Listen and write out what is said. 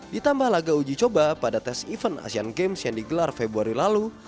ditambah laga uji coba pada tes event asian games yang digelar februari lalu